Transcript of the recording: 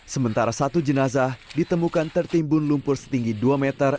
sementara satu jenazah ditemukan tertimbun lumpur setinggi dua meter